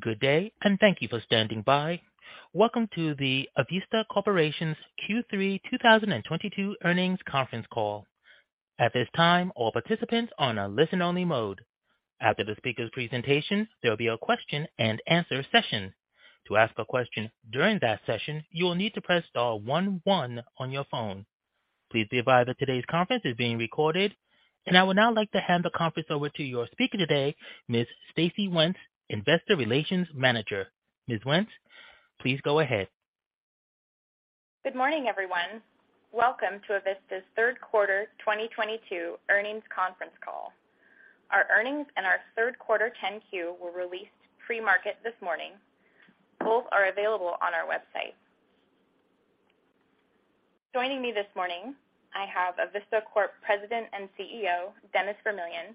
Good day, and thank you for standing by. Welcome to the Avista Corporation's Q3 2022 earnings conference call. At this time, all participants are on a listen-only mode. After the speaker's presentation, there will be a question-and-answer session. To ask a question during that session, you will need to press star one one on your phone. Please be advised that today's conference is being recorded. I would now like to hand the conference over to your speaker today, Ms. Stacey Wenz, Investor Relations Manager. Ms. Wenz, please go ahead. Good morning, everyone. Welcome to Avista's third quarter 2022 earnings conference call. Our earnings and our third quarter 10-Q were released pre-market this morning. Both are available on our website. Joining me this morning, I have Avista Corp. President and CEO Dennis Vermillion,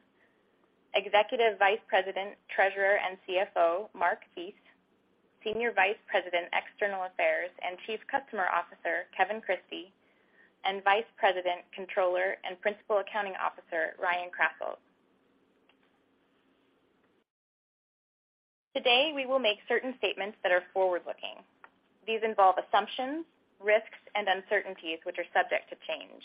Executive Vice President, Treasurer, and CFO Mark Thies, Senior Vice President, External Affairs and Chief Customer Officer Kevin Christie, and Vice President, Controller, and Principal Accounting Officer Ryan Krasselt. Today, we will make certain statements that are forward-looking. These involve assumptions, risks, and uncertainties, which are subject to change.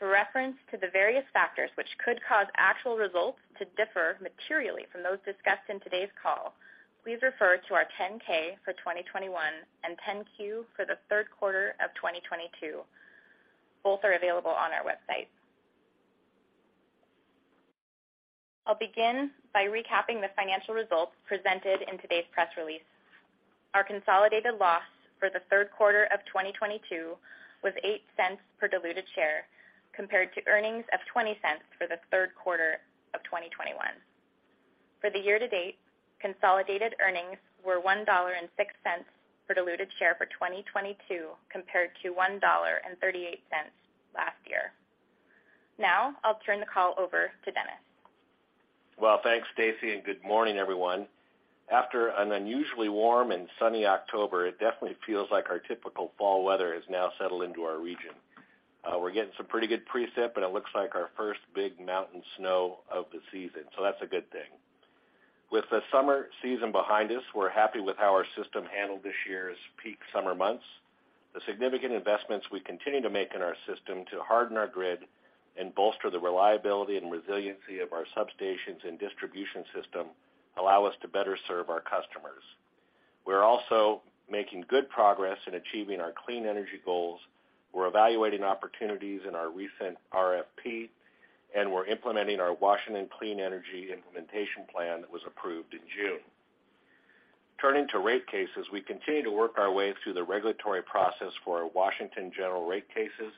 For reference to the various factors which could cause actual results to differ materially from those discussed in today's call, please refer to our 10-K for 2021 and 10-Q for the third quarter of 2022. Both are available on our website. I'll begin by recapping the financial results presented in today's press release. Our consolidated loss for the third quarter of 2022 was $0.08 per diluted share compared to earnings of $0.20 for the third quarter of 2021. For the year-to-date, consolidated earnings were $1.06 per diluted share for 2022 compared to $1.38 last year. Now, I'll turn the call over to Dennis. Well, thanks, Stacey, and good morning, everyone. After an unusually warm and sunny October, it definitely feels like our typical fall weather has now settled into our region. We're getting some pretty good precip, but it looks like our first big mountain snow of the season, so that's a good thing. With the summer season behind us, we're happy with how our system handled this year's peak summer months. The significant investments we continue to make in our system to harden our grid and bolster the reliability and resiliency of our substations and distribution system allow us to better serve our customers. We're also making good progress in achieving our clean energy goals. We're evaluating opportunities in our recent RFP, and we're implementing our Washington Clean Energy Implementation Plan that was approved in June. Turning to rate cases, we continue to work our way through the regulatory process for our Washington general rate cases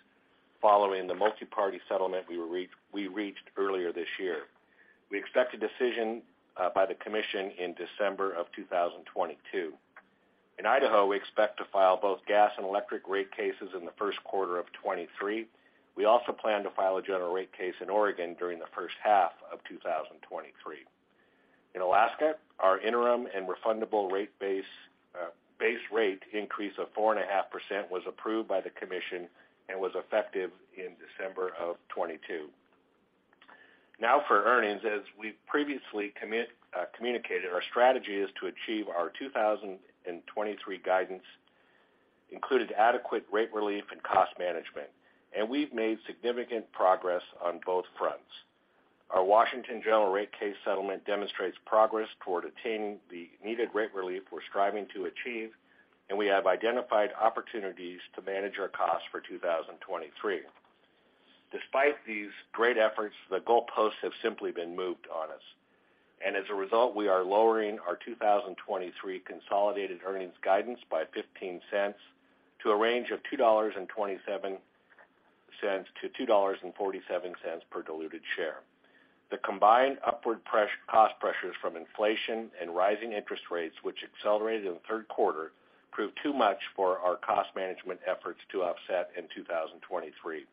following the multiparty settlement we reached earlier this year. We expect a decision by the commission in December of 2022. In Idaho, we expect to file both gas and electric rate cases in the first quarter of 2023. We also plan to file a general rate case in Oregon during the first half of 2023. In Alaska, our interim and refundable rate base rate increase of 4.5% was approved by the commission and was effective in December of 2022. Now for earnings. As we previously communicated, our strategy is to achieve our 2023 guidance, including adequate rate relief and cost management, and we've made significant progress on both fronts. Our Washington General Rate Case settlement demonstrates progress toward attaining the needed rate relief we're striving to achieve, and we have identified opportunities to manage our costs for 2023. Despite these great efforts, the goalposts have simply been moved on us. As a result, we are lowering our 2023 consolidated earnings guidance by $0.15 to a range of $2.27-$2.47 per diluted share. The combined upward cost pressures from inflation and rising interest rates, which accelerated in the third quarter, proved too much for our cost management efforts to offset in 2023.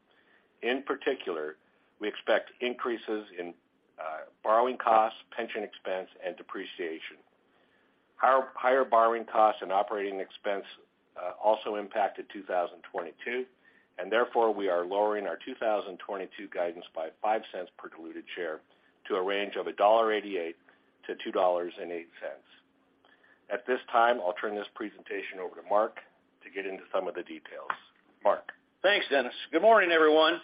In particular, we expect increases in borrowing costs, pension expense, and depreciation. Higher borrowing costs and operating expense also impacted 2022, and therefore, we are lowering our 2022 guidance by $0.05 per diluted share to a range of $1.88-$2.08. At this time, I'll turn this presentation over to Mark to get into some of the details. Mark? Thanks, Dennis. Good morning, everyone.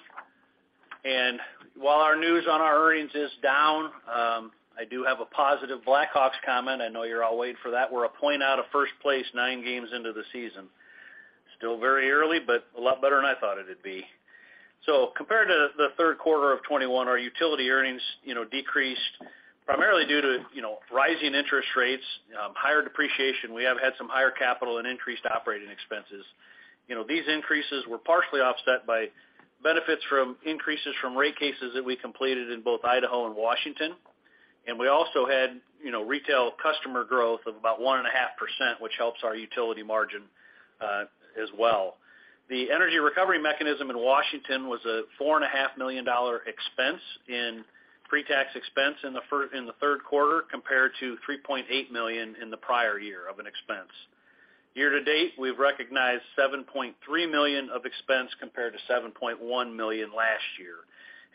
While our news on our earnings is down, I do have a positive Blackhawks comment. I know you're all waiting for that. We're a point out of first place nine games into the season. Still very early, but a lot better than I thought it'd be. Compared to the third quarter of 2021, our utility earnings, you know, decreased primarily due to, you know, rising interest rates, higher depreciation. We have had some higher capital and increased operating expenses. You know, these increases were partially offset by benefits from increases from rate cases that we completed in both Idaho and Washington. We also had, you know, retail customer growth of about 1.5%, which helps our utility margin, as well. The Energy Recovery Mechanism in Washington was a $4.5 million dollar expense in pre-tax expense in the third quarter compared to $3.8 million in the prior year of an expense. Year-to-date, we've recognized $7.3 million of expense compared to $7.1 million last year.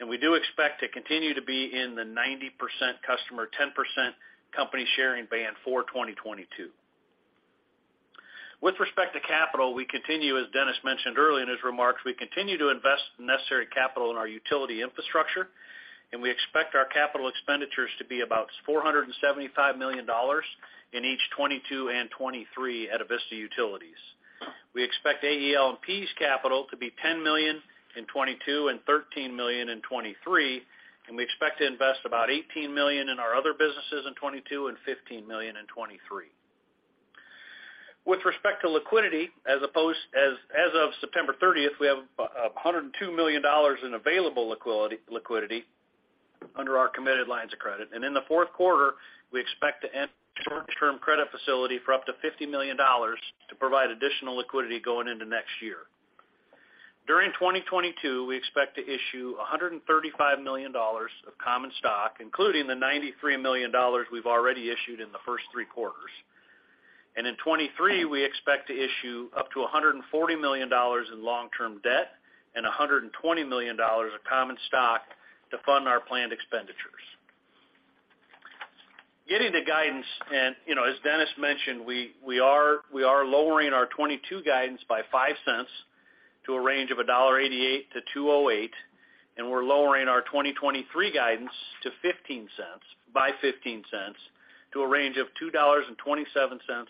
We do expect to continue to be in the 90% customer, 10% company sharing band for 2022. With respect to capital, we continue, as Dennis mentioned earlier in his remarks, to invest the necessary capital in our utility infrastructure, and we expect our capital expenditures to be about $475 million in each 2022 and 2023 at Avista Utilities. We expect AEL&P's capital to be $10 million in 2022 and $13 million in 2023, and we expect to invest about $18 million in our other businesses in 2022 and $15 million in 2023. With respect to liquidity, as of September 30th, we have $102 million in available liquidity under our committed lines of credit. In the fourth quarter, we expect to enter short-term credit facility for up to $50 million to provide additional liquidity going into next year. During 2022, we expect to issue $135 million of common stock, including the $93 million we've already issued in the first three quarters. In 2023, we expect to issue up to $140 million in long-term debt and $120 million of common stock to fund our planned expenditures. Getting to guidance, you know, as Dennis mentioned, we are lowering our 2022 guidance by $0.05 to a range of $1.88-$2.08, and we're lowering our 2023 guidance by $0.15 to a range of $2.27-$2.47.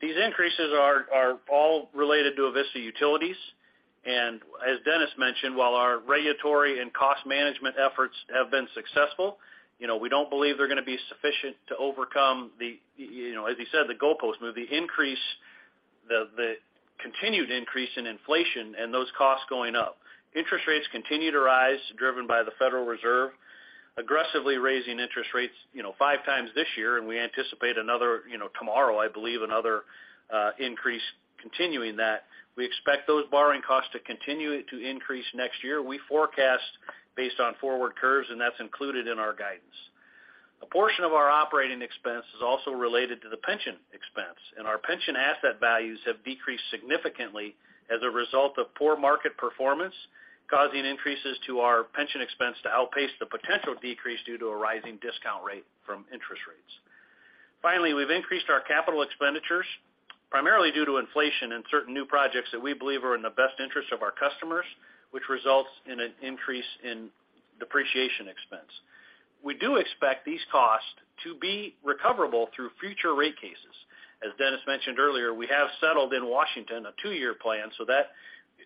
These increases are all related to Avista Utilities. As Dennis mentioned, while our regulatory and cost management efforts have been successful, you know, we don't believe they're gonna be sufficient to overcome the, you know, as he said, the goalpost move, the increase, the continued increase in inflation and those costs going up. Interest rates continue to rise, driven by the Federal Reserve aggressively raising interest rates, you know, 5x this year, and we anticipate another, you know, tomorrow, I believe, another, increase continuing that. We expect those borrowing costs to continue to increase next year. We forecast based on forward curves, and that's included in our guidance. A portion of our operating expense is also related to the pension expense, and our pension asset values have decreased significantly as a result of poor market performance, causing increases to our pension expense to outpace the potential decrease due to a rising discount rate from interest rates. Finally, we've increased our capital expenditures primarily due to inflation in certain new projects that we believe are in the best interest of our customers, which results in an increase in depreciation expense. We do expect these costs to be recoverable through future rate cases. As Dennis mentioned earlier, we have settled in Washington a two-year plan, so that,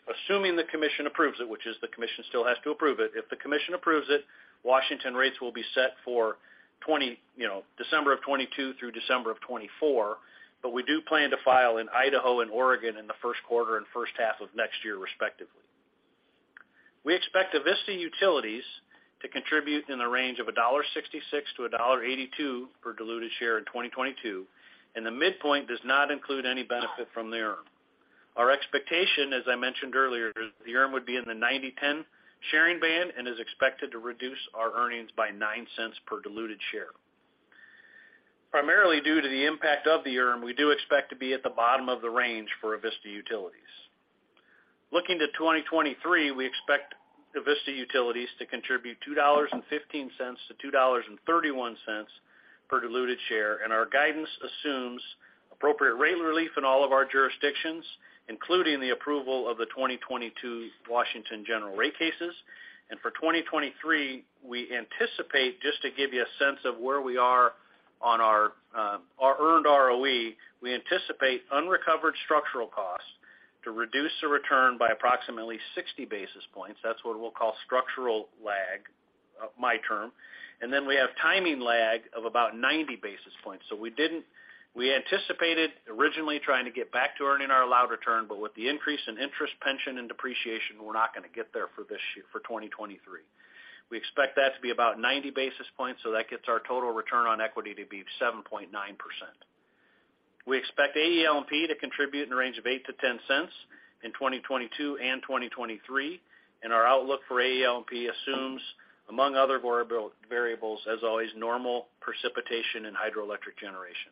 assuming the commission approves it, which is the commission still has to approve it. If the commission approves it, Washington rates will be set for 20, you know, December of 2022 through December of 2024, but we do plan to file in Idaho and Oregon in the first quarter and first half of next year, respectively. We expect Avista Utilities to contribute in the range of $1.66-$1.82 per diluted share in 2022, and the midpoint does not include any benefit from the ERM. Our expectation, as I mentioned earlier, is the ERM would be in the 90/10 sharing band and is expected to reduce our earnings by $0.09 per diluted share. Primarily due to the impact of the ERM, we do expect to be at the bottom of the range for Avista Utilities. Looking to 2023, we expect Avista Utilities to contribute $2.15-$2.31 per diluted share, and our guidance assumes appropriate rate relief in all of our jurisdictions, including the approval of the 2022 Washington general rate cases. For 2023, we anticipate, just to give you a sense of where we are on our earned ROE, we anticipate unrecovered structural costs to reduce the return by approximately 60 basis points. That's what we'll call structural lag, my term. Then we have timing lag of about 90 basis points. We anticipated originally trying to get back to earning our allowed return, but with the increase in interest, pension, and depreciation, we're not gonna get there for 2023. We expect that to be about 90 basis points, so that gets our total return on equity to be 7.9%. We expect AEL&P to contribute in the range of $0.08-$0.10 in 2022 and 2023, and our outlook for AEL&P assumes, among other variables, as always, normal precipitation and hydroelectric generation.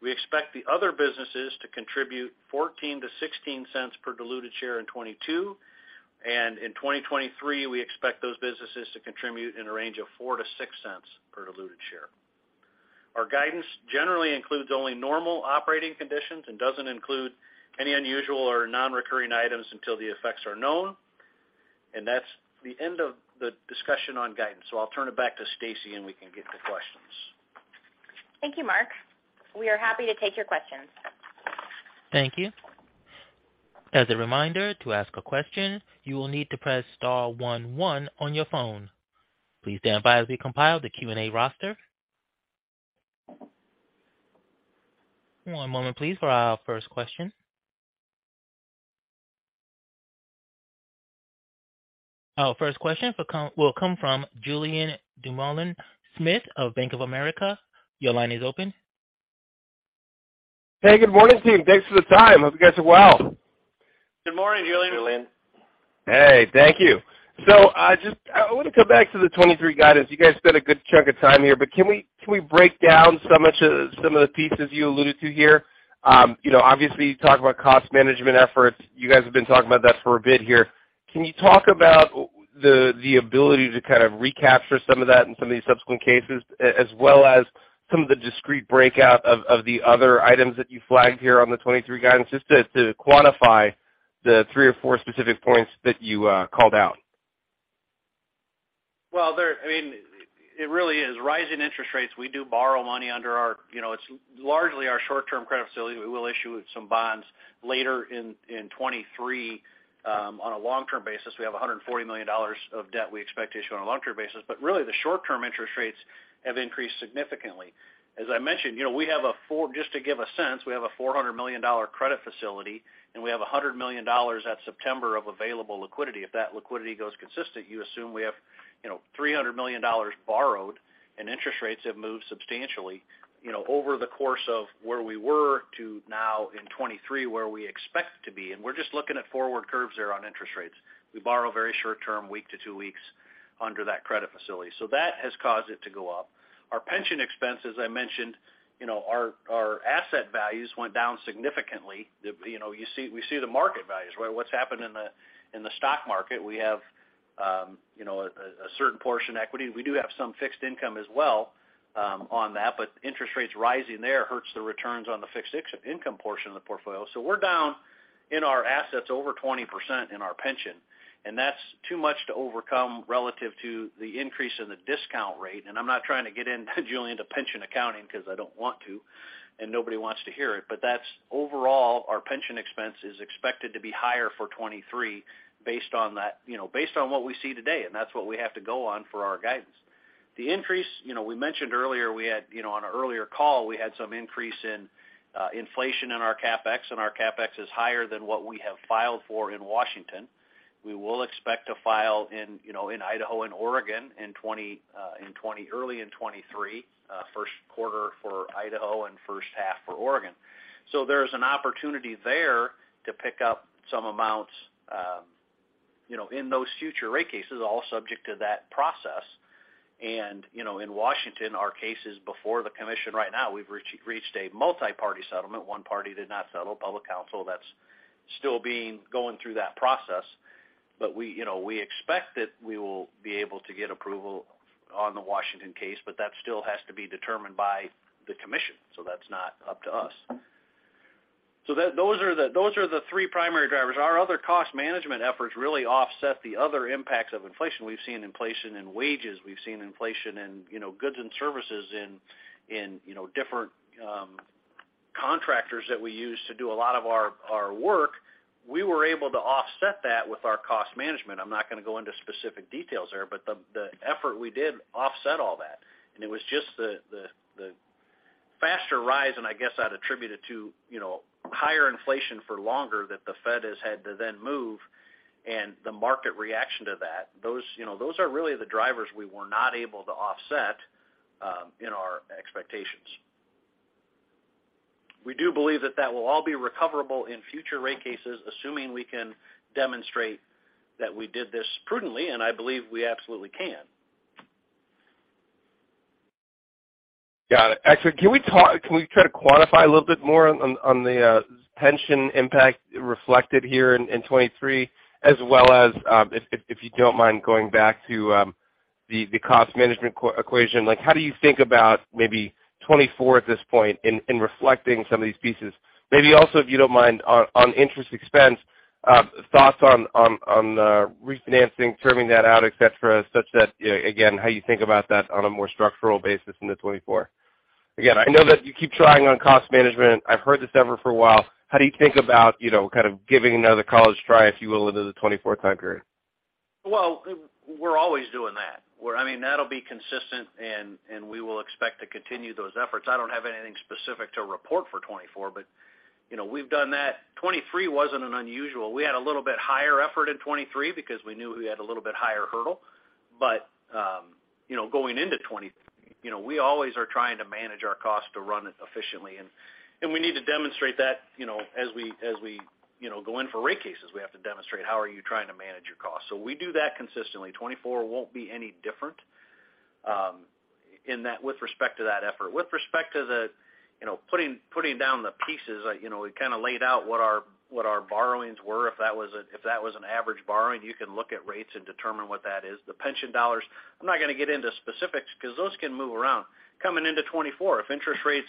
We expect the other businesses to contribute $0.14-$0.16 per diluted share in 2022, and in 2023, we expect those businesses to contribute in a range of $0.04-$0.06 per diluted share. Our guidance generally includes only normal operating conditions and doesn't include any unusual or non-recurring items until the effects are known. That's the end of the discussion on guidance, so I'll turn it back to Stacey, and we can get to questions. Thank you, Mark. We are happy to take your questions. Thank you. As a reminder, to ask a question, you will need to press star one one on your phone. Please stand by as we compile the Q&A roster. One moment please for our first question. Our first question will come from Julien Dumoulin-Smith of Bank of America. Your line is open. Hey, good morning team. Thanks for the time. Hope you guys are well. Good morning, Julien. Julien. Hey, thank you. I want to come back to the 2023 guidance. You guys spent a good chunk of time here, but can we break down some of the pieces you alluded to here? You know, obviously, you talk about cost management efforts. You guys have been talking about that for a bit here. Can you talk about the ability to kind of recapture some of that in some of these subsequent cases, as well as some of the discrete breakout of the other items that you flagged here on the 2023 guidance, just to quantify the three or four specific points that you called out? Well, I mean, it really is rising interest rates. We do borrow money under our, you know, it's largely our short-term credit facility. We will issue some bonds later in 2023 on a long-term basis. We have $140 million of debt we expect to issue on a long-term basis, but really, the short-term interest rates have increased significantly. As I mentioned, you know, we have just to give a sense, we have a $400 million credit facility, and we have $100 million at September of available liquidity. If that liquidity goes consistent, you assume we have, you know, $300 million borrowed and interest rates have moved substantially, you know, over the course of where we were to now in 2023 where we expect to be. We're just looking at forward curves there on interest rates. We borrow very short term, week to two weeks under that credit facility. That has caused it to go up. Our pension expense, as I mentioned, you know, our asset values went down significantly. You know, we see the market values, right? What's happened in the stock market, we have a certain portion equity. We do have some fixed income as well on that, but interest rates rising there hurts the returns on the fixed income portion of the portfolio. We're down in our assets over 20% in our pension, and that's too much to overcome relative to the increase in the discount rate. I'm not trying to get into Julien into pension accounting because I don't want to, and nobody wants to hear it. That's overall our pension expense is expected to be higher for 2023 based on that, you know, based on what we see today, and that's what we have to go on for our guidance. The increase, you know, we mentioned earlier, we had, you know, on an earlier call, we had some increase in inflation in our CapEx, and our CapEx is higher than what we have filed for in Washington. We will expect to file in, you know, in Idaho and Oregon early in 2023, first quarter for Idaho and first half for Oregon. There's an opportunity there to pick up some amounts, you know, in those future rate cases, all subject to that process. You know, in Washington, our case is before the commission right now. We've reached a multiparty settlement. One party did not settle, Public Counsel. That's still going through that process. We, you know, we expect that we will be able to get approval on the Washington case, but that still has to be determined by the commission. That's not up to us. Those are the three primary drivers. Our other cost management efforts really offset the other impacts of inflation. We've seen inflation in wages. We've seen inflation in, you know, goods and services in, you know, different contractors that we use to do a lot of our work. We were able to offset that with our cost management. I'm not going to go into specific details there, but the effort we did offset all that. It was just the faster rise, and I guess I'd attribute it to, you know, higher inflation for longer that the Fed has had to then move and the market reaction to that. Those, you know, those are really the drivers we were not able to offset in our expectations. We do believe that will all be recoverable in future rate cases, assuming we can demonstrate that we did this prudently, and I believe we absolutely can. Got it. Actually, can we try to quantify a little bit more on the pension impact reflected here in 2023, as well as, if you don't mind going back to the cost management equation. Like how do you think about maybe 2024 at this point in reflecting some of these pieces? Maybe also, if you don't mind, on interest expense, thoughts on the refinancing, terming that out, et cetera, such that, again, how you think about that on a more structural basis into 2024. Again, I know that you keep trying on cost management. I've heard this effort for a while. How do you think about, you know, kind of giving another college try, if you will, into the 2024 time period? We're always doing that, I mean, that'll be consistent and we will expect to continue those efforts. I don't have anything specific to report for 2024, you know, we've done that. 2023 wasn't an unusual. We had a little bit higher effort in 2023 because we knew we had a little bit higher hurdle. You know, we always are trying to manage our cost to run it efficiently. We need to demonstrate that, you know, as we, you know, go in for rate cases. We have to demonstrate how are you trying to manage your costs. We do that consistently. 2024 won't be any different, with respect to that effort. With respect to the, you know, putting down the pieces, you know, we kind of laid out what our borrowings were. If that was an average borrowing, you can look at rates and determine what that is. The pension dollars, I'm not going to get into specifics because those can move around. Coming into 2024, if interest rates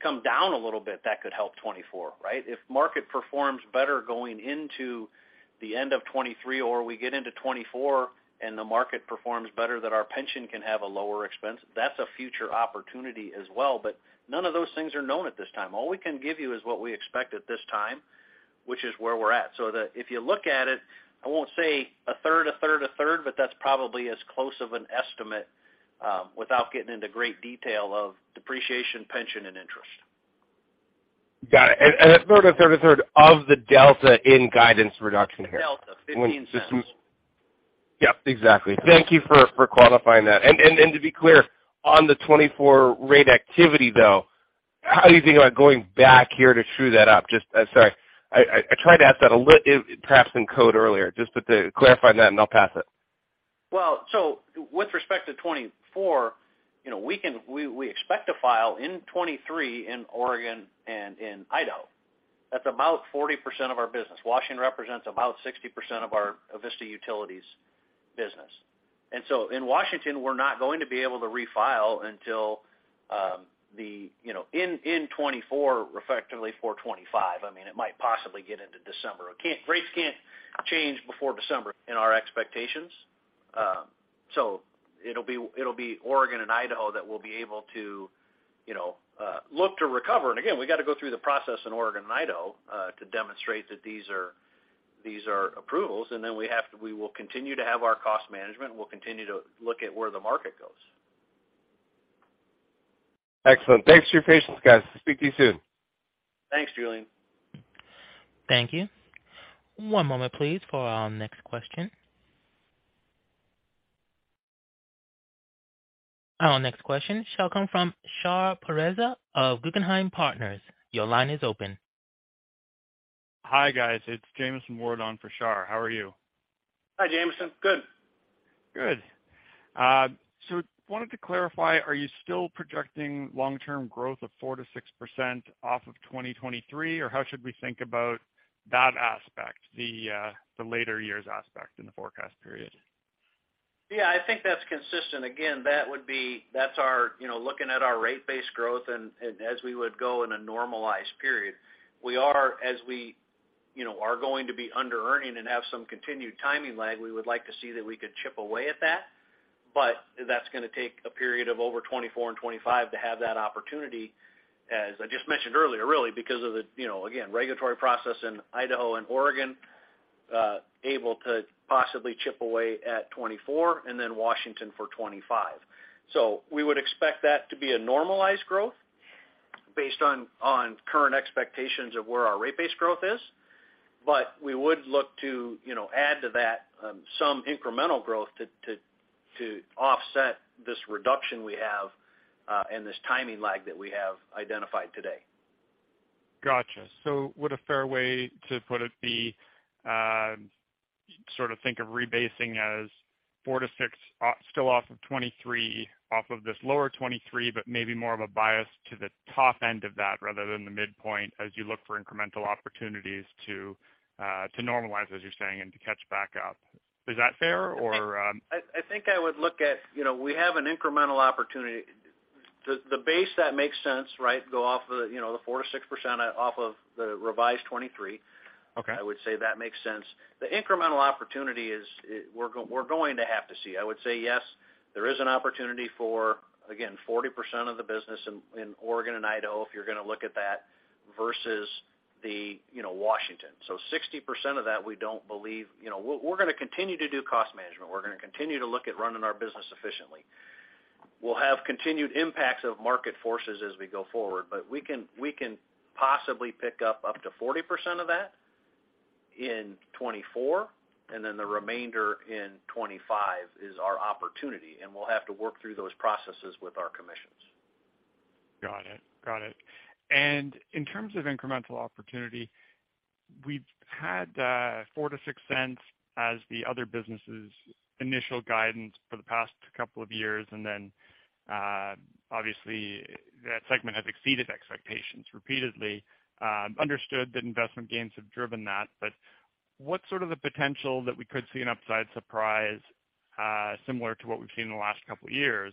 come down a little bit, that could help 2024, right? If market performs better going into the end of 2023 or we get into 2024 and the market performs better, that our pension can have a lower expense, that's a future opportunity as well. None of those things are known at this time. All we can give you is what we expect at this time, which is where we're at. If you look at it, I won't say a third, but that's probably as close of an estimate, without getting into great detail of depreciation, pension, and interest. Got it. A third of the delta in guidance reduction here. The delta, $0.15. Yep, exactly. Thank you for qualifying that. To be clear, on the 2024 rate activity though, how do you think about going back here to true that up? Just, sorry, I tried to ask that a little, perhaps in code earlier just to clarify that, and I'll pass it. Well, with respect to 2024, you know, we expect to file in 2023 in Oregon and in Idaho. That's about 40% of our business. Washington represents about 60% of our Avista Utilities business. In Washington, we're not going to be able to refile until you know in 2024, effectively for 2025. I mean, it might possibly get into December. Rates can't change before December in our expectations. It'll be Oregon and Idaho that will be able to you know look to recover. Again, we got to go through the process in Oregon and Idaho to demonstrate that these are approvals, and then we will continue to have our cost management. We'll continue to look at where the market goes. Excellent. Thanks for your patience, guys. Speak to you soon. Thanks, Julien. Thank you. One moment please for our next question. Our next question shall come from Shar Pourreza of Guggenheim Partners. Your line is open. Hi, guys. It's Jamieson Ward on for Shar. How are you? Hi, Jamieson. Good. Good. Wanted to clarify, are you still projecting long-term growth of 4%-6% off of 2023, or how should we think about that aspect, the later years aspect in the forecast period? Yeah, I think that's consistent. Again, that's our, you know, looking at our rate base growth and as we would go in a normalized period. We are, as we, you know, are going to be under-earning and have some continued timing lag. We would like to see that we could chip away at that, but that's gonna take a period of over 2024 and 2025 to have that opportunity, as I just mentioned earlier, really because of the, you know, again, regulatory process in Idaho and Oregon, able to possibly chip away at 2024 and then Washington for 2025. We would expect that to be a normalized growth based on current expectations of where our rate base growth is. We would look to, you know, add to that, some incremental growth to offset this reduction we have, and this timing lag that we have identified today. Gotcha. Would a fair way to put it be, sort of think of rebasing as four to six, still off of 2023, off of this lower 2023, but maybe more of a bias to the top end of that rather than the midpoint as you look for incremental opportunities to normalize, as you're saying, and to catch back up. Is that fair? Or, I think I would look at, you know, we have an incremental opportunity. The base that makes sense, right, go off the, you know, the 4%-6% off of the revised 2023. Okay. I would say that makes sense. The incremental opportunity is we're going to have to see. I would say, yes, there is an opportunity for, again, 40% of the business in Oregon and Idaho, if you're gonna look at that versus the, you know, Washington. So 60% of that, we don't believe. You know, we're gonna continue to do cost management. We're gonna continue to look at running our business efficiently. We'll have continued impacts of market forces as we go forward, but we can possibly pick up to 40% of that in 2024, and then the remainder in 2025 is our opportunity, and we'll have to work through those processes with our commissions. Got it. In terms of incremental opportunity, we've had $0.04-$0.06 as the other business's initial guidance for the past couple of years. Obviously that segment has exceeded expectations repeatedly. Understood that investment gains have driven that, but what's sort of the potential that we could see an upside surprise, similar to what we've seen in the last couple of years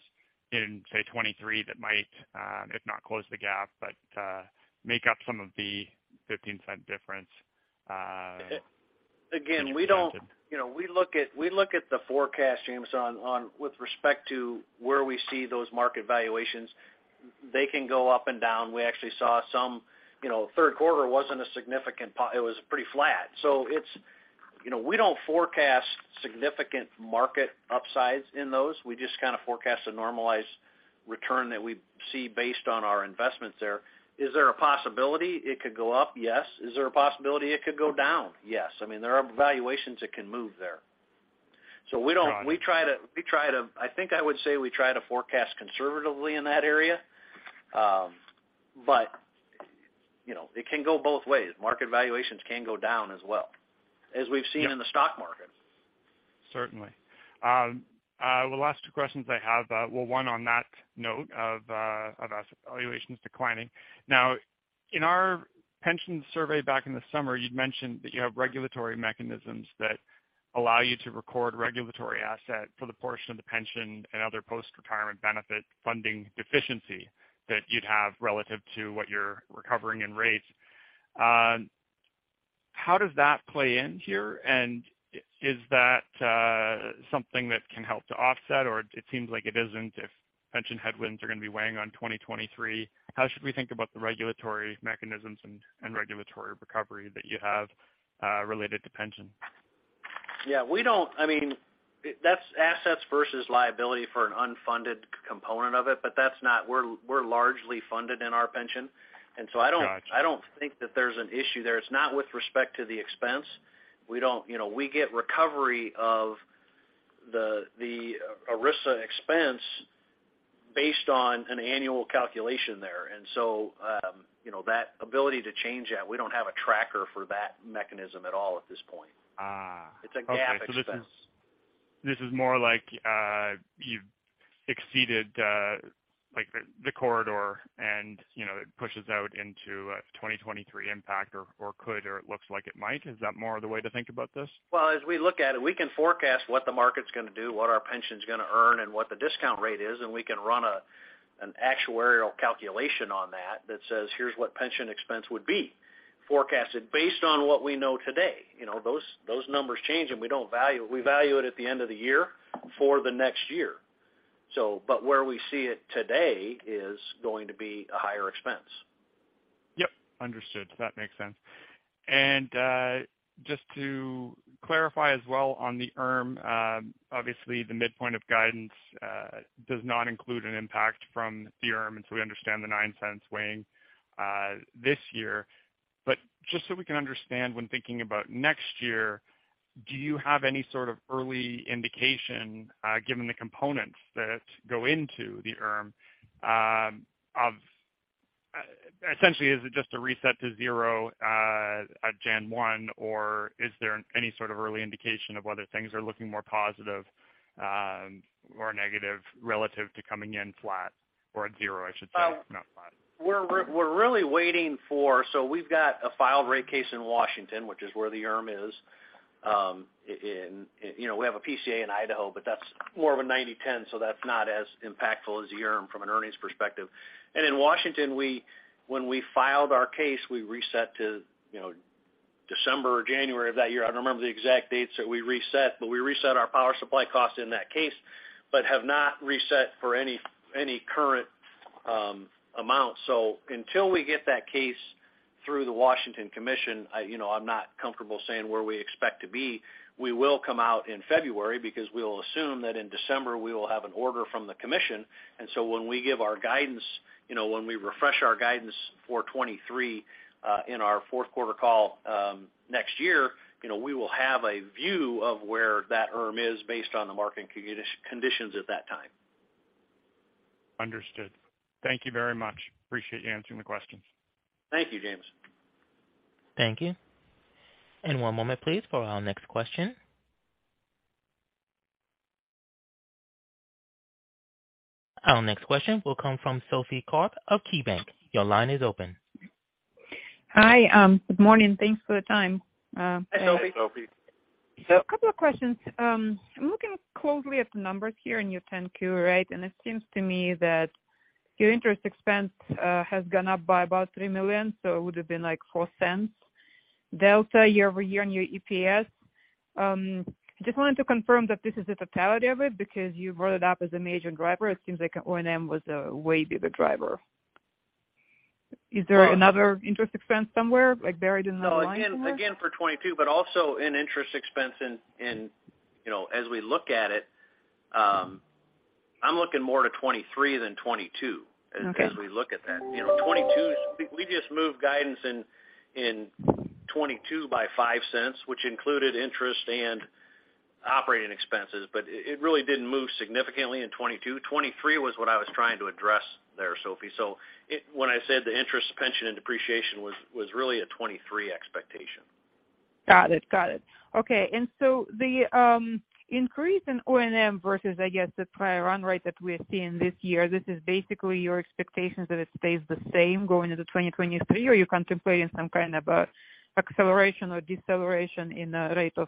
in, say, 2023 that might, if not close the gap, but, make up some of the $0.15 difference, that you projected? Again, we don't. You know, we look at the forecast, Jamieson, on with respect to where we see those market valuations. They can go up and down. We actually saw some, you know, third quarter wasn't a significant pop. It was pretty flat. You know, we don't forecast significant market upsides in those. We just kind of forecast a normalized return that we see based on our investments there. Is there a possibility it could go up? Yes. Is there a possibility it could go down? Yes. I mean, there are valuations that can move there. Got it. We try to, I think I would say, we try to forecast conservatively in that area. But, you know, it can go both ways. Market valuations can go down as well, as we've seen. Yeah. in the stock market. Certainly. The last two questions I have, well, one on that note of asset valuations declining. Now, in our pension survey back in the summer, you'd mentioned that you have regulatory mechanisms that allow you to record regulatory asset for the portion of the pension and other post-retirement benefit funding deficiency that you'd have relative to what you're recovering in rates. How does that play in here? And is that something that can help to offset, or it seems like it isn't if pension headwinds are gonna be weighing on 2023. How should we think about the regulatory mechanisms and regulatory recovery that you have related to pension? Yeah. I mean, that's assets versus liability for an unfunded component of it, but we're largely funded in our pension. Gotcha. I don't think that there's an issue there. It's not with respect to the expense. You know, we get recovery of the ERISA expense based on an annual calculation there. You know, that ability to change that, we don't have a tracker for that mechanism at all at this point. It's a GAAP expense. This is more like you've exceeded like the corridor and you know it pushes out into a 2023 impact or it could or it looks like it might. Is that more of the way to think about this? Well, as we look at it, we can forecast what the market's gonna do, what our pension's gonna earn, and what the discount rate is, and we can run an actuarial calculation on that that says, "Here's what pension expense would be," forecasted based on what we know today. You know, those numbers change and we value it at the end of the year for the next year. But where we see it today is going to be a higher expense. Yep, understood. That makes sense. Just to clarify as well on the ERM, obviously the midpoint of guidance does not include an impact from the ERM. We understand the $0.09 weighting this year. Just so we can understand when thinking about next year, do you have any sort of early indication, given the components that go into the ERM, of essentially, is it just a reset to zero at January 1, or is there any sort of early indication of whether things are looking more positive or negative relative to coming in flat or at zero, I should say, not flat? We're really waiting for. We've got a filed rate case in Washington, which is where the ERM is. You know, we have a PCA in Idaho, but that's more of a 90/10, so that's not as impactful as the ERM from an earnings perspective. In Washington, when we filed our case, we reset to, you know, December or January of that year. I don't remember the exact dates that we reset, but we reset our power supply cost in that case, but have not reset for any current amount. Until we get that case through the Washington Commission, you know, I'm not comfortable saying where we expect to be. We will come out in February because we'll assume that in December we will have an order from the commission. When we give our guidance, you know, when we refresh our guidance for 2023, in our fourth quarter call, next year, you know, we will have a view of where that ERM is based on the market conditions at that time. Understood. Thank you very much. Appreciate you answering the questions. Thank you, Jamieson. Thank you. One moment please for our next question. Our next question will come from Sophie Karp of KeyBanc. Your line is open. Hi. Good morning. Thanks for the time. Hi, Sophie. Hi, Sophie. A couple of questions. I'm looking closely at the numbers here in your 10-Q, right? It seems to me that your interest expense has gone up by about $3 million, so it would have been like $0.04 delta year-over-year in your EPS. Just wanted to confirm that this is the totality of it because you've written it up as a major driver. It seems like O&M was a way bigger driver. Is there another interest expense somewhere, like, buried in the line somewhere? Again for 2022, but also in interest expense, you know, as we look at it, I'm looking more to 2023 than 2022. Okay. As we look at that. You know, 2022's, we just moved guidance in 2022 by $0.05, which included interest and operating expenses. But it really didn't move significantly in 2022. 2023 was what I was trying to address there, Sophie. It, when I said the interest, pension and depreciation was really a 2023 expectation. Got it. Okay. The increase in O&M versus, I guess, the prior run rate that we're seeing this year, this is basically your expectations that it stays the same going into 2023, or you're contemplating some kind of a acceleration or deceleration in the rate of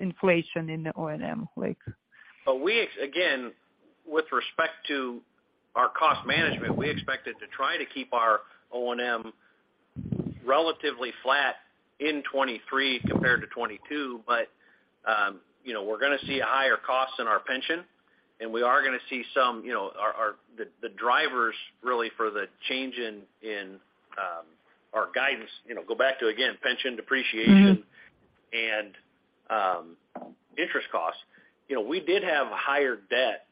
inflation in the O&M like? Well, again, with respect to our cost management, we expected to try to keep our O&M relatively flat in 2023 compared to 2022. You know, we're gonna see higher costs in our pension, and we are gonna see some, you know, the drivers really for the change in our guidance, you know, go back to, again, pension depreciation interest costs. You know, we did have higher debt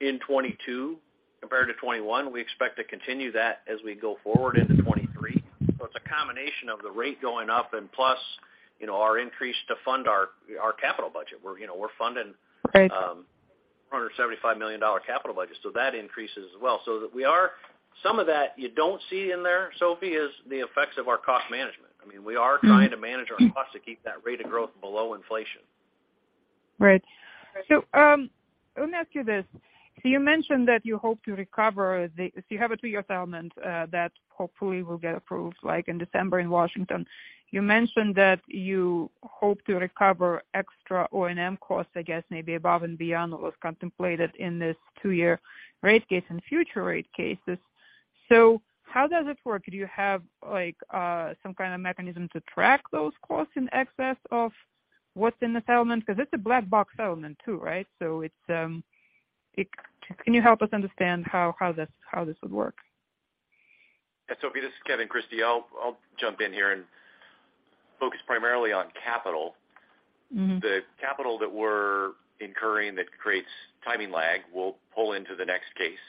in 2022 compared to 2021. We expect to continue that as we go forward into 2023. It's a combination of the rate going up and plus, you know, our increase to fund our capital budget. We're, you know, funding- Right. $175 million capital budget, so that increases as well. Some of that you don't see in there, Sophie, is the effects of our cost management. I mean, we are trying to manage our costs to keep that rate of growth below inflation. Right. Let me ask you this. You mentioned that you hope to recover the so you have a two-year settlement that hopefully will get approved, like, in December in Washington. You mentioned that you hope to recover extra O&M costs, I guess maybe above and beyond what was contemplated in this two-year rate case and future rate cases. How does it work? Do you have, like, some kind of mechanism to track those costs in excess of what's in the settlement? Because it's a black box settlement too, right? Can you help us understand how this would work? Yeah, Sophie, this is Kevin Christie. I'll jump in here and focus primarily on capital. The capital that we're incurring that creates timing lag, we'll pull into the next case.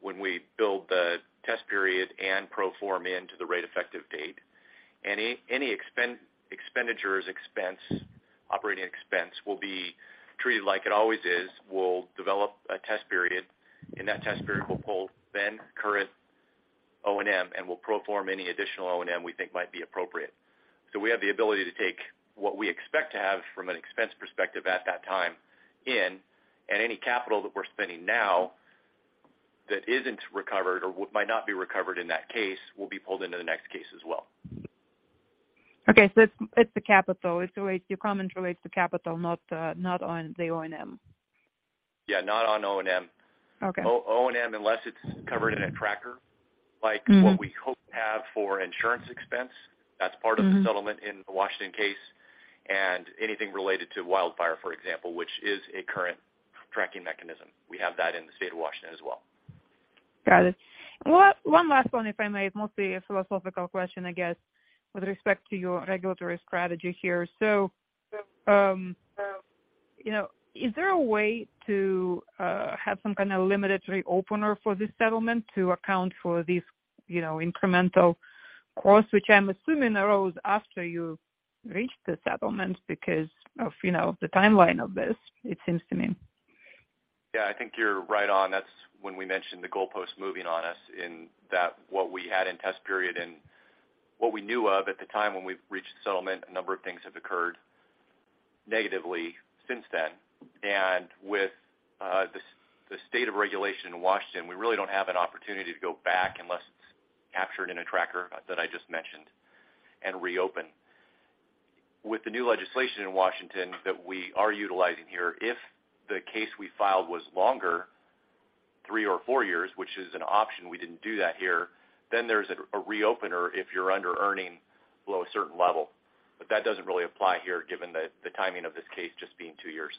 When we build the test period and pro forma into the rate effective date. Any expenditures, operating expense will be treated like it always is. We'll develop a test period, in that test period we'll pull the current O&M, and we'll pro forma any additional O&M we think might be appropriate. We have the ability to take what we expect to have from an expense perspective at that time, and any capital that we're spending now that isn't recovered or what might not be recovered in that case will be pulled into the next case as well. It's the capital. Your comment relates to capital, not on the O&M. Yeah, not on O&M. Okay. O&M, unless it's covered in a tracker, like what we hope to have for insurance expense. That's part of the settlement in the Washington case. Anything related to Wildfire, for example, which is a current tracking mechanism. We have that in the state of Washington as well. Got it. One last one, if I may. Mostly a philosophical question, I guess, with respect to your regulatory strategy here. You know, is there a way to have some kind of limited reopener for this settlement to account for these, you know, incremental costs, which I'm assuming arose after you reached the settlement because of, you know, the timeline of this, it seems to me. Yeah, I think you're right on. That's when we mentioned the goalpost moving on us in that what we had in test period and what we knew of at the time when we reached the settlement, a number of things have occurred negatively since then. With the state of regulation in Washington, we really don't have an opportunity to go back unless it's captured in a tracker that I just mentioned and reopen. With the new legislation in Washington that we are utilizing here, if the case we filed was longer, three or four years, which is an option, we didn't do that here, then there's a reopener if you're under earning below a certain level. That doesn't really apply here, given the timing of this case just being two years.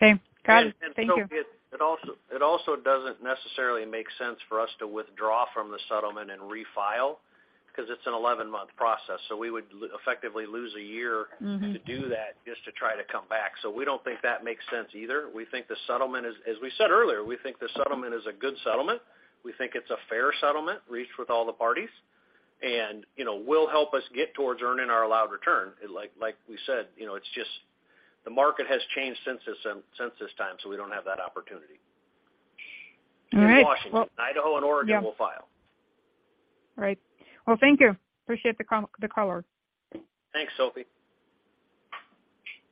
Okay. Got it. Thank you. It also doesn't necessarily make sense for us to withdraw from the settlement and refile because it's an 11-month process. We would effectively lose a year. To do that just to try to come back. We don't think that makes sense either. We think the settlement is a good settlement. As we said earlier, we think the settlement is a good settlement. We think it's a fair settlement reached with all the parties and, you know, will help us get towards earning our allowed return. Like we said, you know, it's just the market has changed since this time, so we don't have that opportunity. All right. In Washington, Idaho and Oregon we'll file. Right. Well, thank you. Appreciate the call. Thanks, Sophie.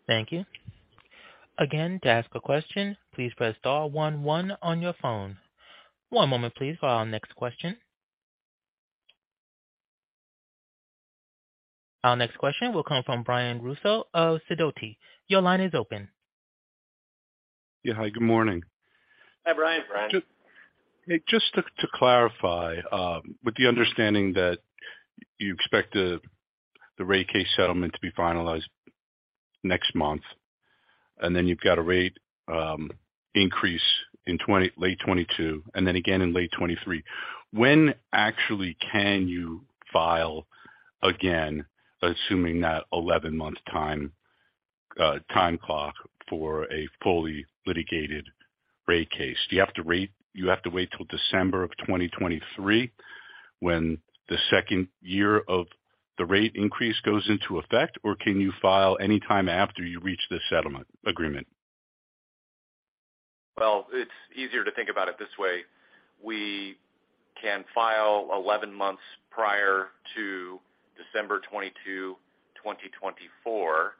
Thank you. Again, to ask a question, please press star one one on your phone. One moment please for our next question. Our next question will come from Brian Russo of Sidoti & Company. Your line is open. Yeah. Hi, good morning. Hi, Brian. Brian. Just to clarify, with the understanding that you expect the rate case settlement to be finalized next month, and then you've got a rate increase in late 2022 and then again in late 2023. When actually can you file again, assuming that 11-month time clock for a fully litigated rate case? Do you have to wait till December of 2023 when the second year of the rate increase goes into effect? Or can you file any time after you reach the settlement agreement? Well, it's easier to think about it this way. We can file 11 months prior to December 22, 2024.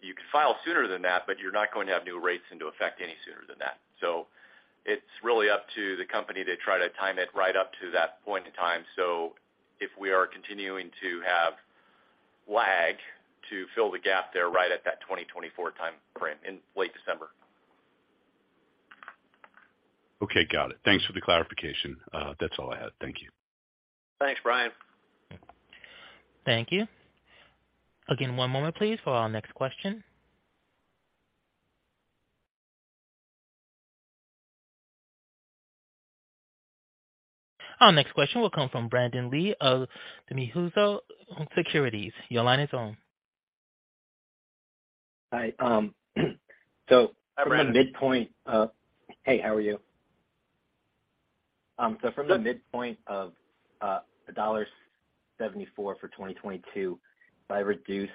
You could file sooner than that, but you're not going to have new rates into effect any sooner than that. It's really up to the company to try to time it right up to that point in time. If we are continuing to have lag to fill the gap there right at that 2024 timeframe, in late December. Okay, got it. Thanks for the clarification. That's all I had. Thank you. Thanks, Brian. Thank you. Again, one moment please, for our next question. Our next question will come from Brandon Lee of Mizuho Securities. Your line is open. Hi. Hi, Brandon. Hey, how are you? So from the midpoint of $1.74 for 2022, if I reduce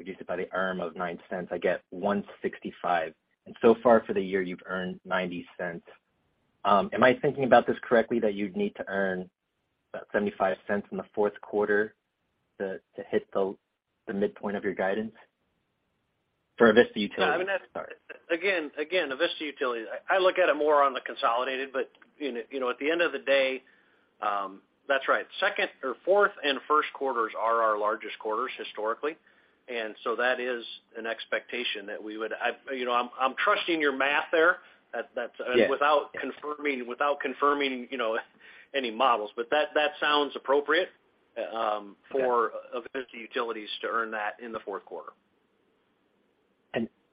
it by the ERM of $0.09, I get $1.65. So far for the year, you've earned $0.90. Am I thinking about this correctly, that you'd need to earn about $0.75 in the fourth quarter to hit the midpoint of your guidance for Avista Utilities? Sorry. No, I mean, that's again Avista Utilities. I look at it more on the consolidated, but you know, at the end of the day, that's right. Second or fourth and first quarters are our largest quarters historically. That is an expectation that we would. You know, I'm trusting your math there. That. Yeah. Without confirming, you know, any models. That sounds appropriate. Okay. For Avista Utilities to earn that in the fourth quarter.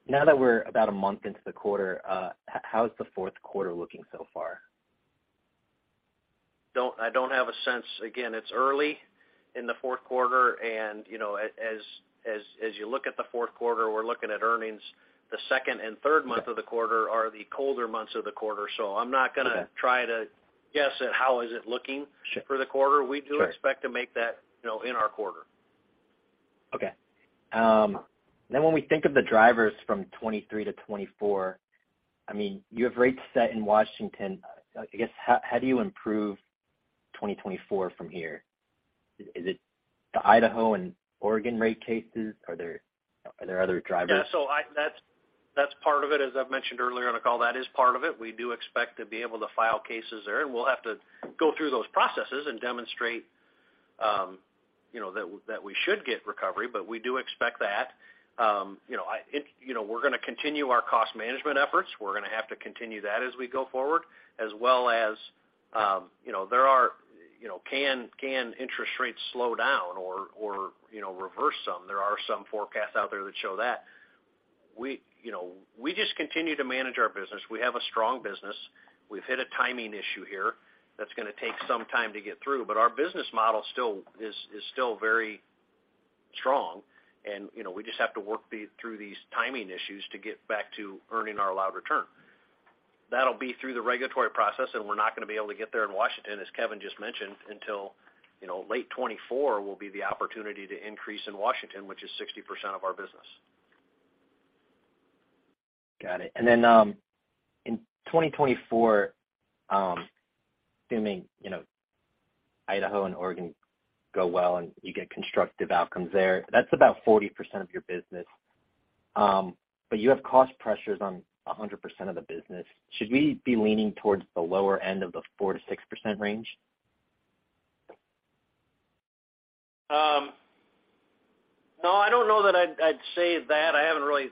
Now that we're about a month into the quarter, how is the fourth quarter looking so far? No, I don't have a sense. Again, it's early in the fourth quarter and, you know, as you look at the fourth quarter, we're looking at earnings. The second and third month of the quarter are the colder months of the quarter. I'm not gonna- Okay. Try to guess at how it is looking. Sure. for the quarter. Sure. We do expect to make that, you know, in our quarter. Okay, when we think of the drivers from 2023 to 2024, I mean, you have rates set in Washington. I guess, how do you improve 2024 from here? Is it the Idaho and Oregon rate cases? Are there other drivers? Yeah. That's part of it, as I've mentioned earlier on the call, that is part of it. We do expect to be able to file cases there, and we'll have to go through those processes and demonstrate that we should get recovery. We do expect that. You know, we're gonna continue our cost management efforts. We're gonna have to continue that as we go forward. As well as, you know, there are, you know, can interest rates slow down or you know, reverse some? There are some forecasts out there that show that. We, you know, just continue to manage our business. We have a strong business. We've hit a timing issue here that's gonna take some time to get through. Our business model is still very strong and, you know, we just have to work through these timing issues to get back to earning our allowed return. That'll be through the regulatory process, and we're not gonna be able to get there in Washington, as Kevin just mentioned, until, you know, late 2024 will be the opportunity to increase in Washington, which is 60% of our business. Got it. In 2024, assuming, you know, Idaho and Oregon go well and you get constructive outcomes there, that's about 40% of your business. But you have cost pressures on 100% of the business. Should we be leaning towards the lower end of the 4%-6% range? No, I don't know that I'd say that. I haven't really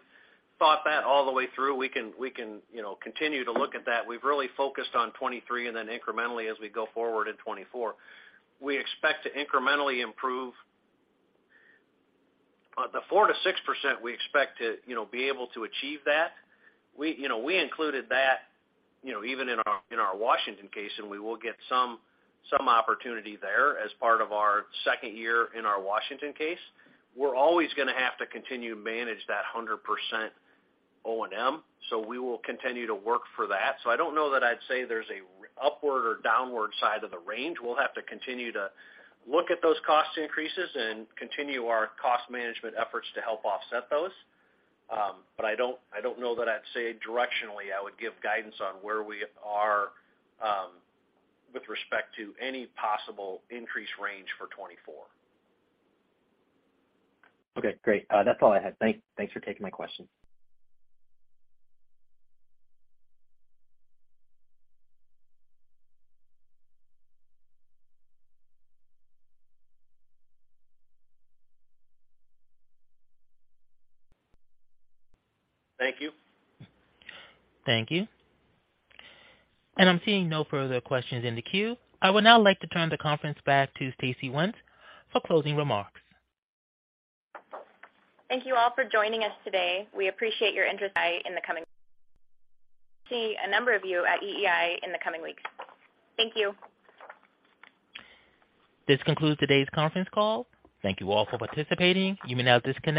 thought that all the way through. We can, you know, continue to look at that. We've really focused on 2023 and then incrementally as we go forward in 2024. We expect to incrementally improve the 4%-6%. We expect to, you know, be able to achieve that. We included that, you know, even in our Washington case, and we will get some opportunity there as part of our second year in our Washington case. We're always gonna have to continue to manage that 100% O&M, so we will continue to work for that. I don't know that I'd say there's an upside or downside to the range. We'll have to continue to look at those cost increases and continue our cost management efforts to help offset those. I don't know that I'd say directionally I would give guidance on where we are, with respect to any possible increased range for 2024. Okay, great. That's all I had. Thanks for taking my question. Thank you. Thank you. I'm seeing no further questions in the queue. I would now like to turn the conference back to Stacey Wenz for closing remarks. Thank you all for joining us today. We appreciate your interest in the company. See a number of you at EEI in the coming weeks. Thank you. This concludes today's conference call. Thank you all for participating. You may now disconnect.